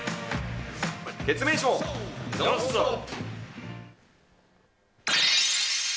ケツメイシも「ノンストップ！」。